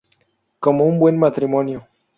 Como un buen matrimonio.